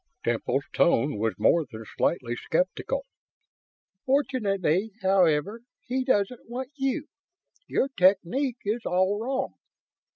Temple's tone was more than slightly skeptical. "Fortunately, however, he doesn't want you. Your technique is all wrong.